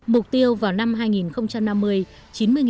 mục tiêu vào năm hai nghìn năm mươi